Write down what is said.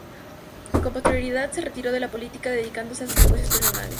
Con posterioridad se retiró de la política, dedicándose a sus negocios personales.